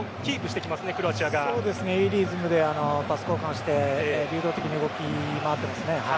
いいリズムでパス交換して流動的に動き回ってますね。